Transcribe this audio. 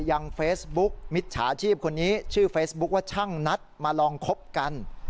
ยังเฟซบุ๊กมิจฉาชีพคนนี้ชื่อเฟซบุ๊คว่าช่างนัดมาลองคบกัน